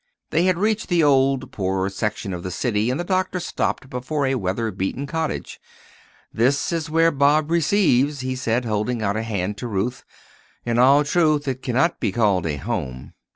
They had reached the old, poorer section of the city, and the doctor stopped before a weather beaten cottage. "This is where Bob receives," he said, holding out a hand to Ruth; "in all truth it cannot be called a home."